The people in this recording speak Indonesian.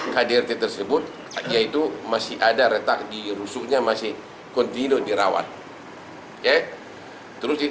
hadir tersebut yaitu masih ada retak di rusuknya masih kontinu dirawat ya terus